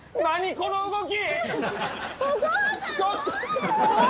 この動き！